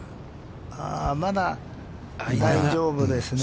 まだ大丈夫ですね。